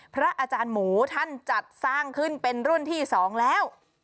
พระอาจารย์หมูท่านจัดสร้างขึ้นเป็นรุ่นที่๒แล้ว